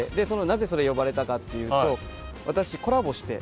なぜそれ呼ばれたかっていうと私コラボして。